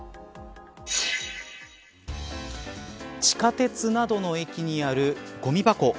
地下鉄などの駅にあるごみ箱